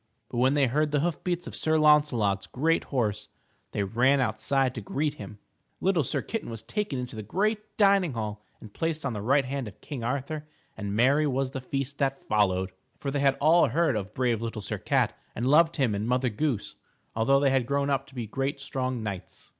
But when they heard the hoof beats of Sir Launcelot's great horse, they ran outside to greet him. Little Sir Kitten was taken into the great dining hall and placed on the right hand of King Arthur and merry was the feast that followed, for they had all heard of brave Little Sir Cat and loved him and Mother Goose, although they had grown up to be great strong knights.